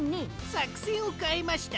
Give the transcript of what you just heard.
さくせんをかえました。